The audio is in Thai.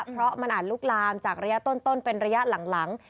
เพราะมันอาจลุกลามจากระยะต้นเป็นระยะหลัง